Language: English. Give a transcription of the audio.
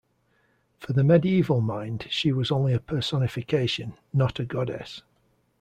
For the medieval mind she was only a personification, not a goddess.